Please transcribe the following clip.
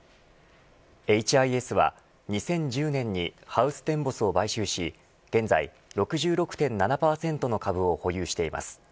ＨＩＳは、２０１０年にハウステンボスを買収し、現在６６．７％の株を保有しています。